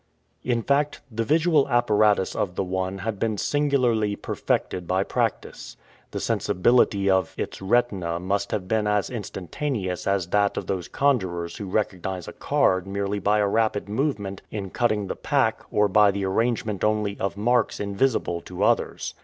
In fact, the visual apparatus of the one had been singularly perfected by practice. The sensibility of its retina must have been as instantaneous as that of those conjurors who recognize a card merely by a rapid movement in cutting the pack or by the arrangement only of marks invisible to others.